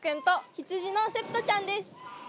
ヒツジのセプトちゃんです。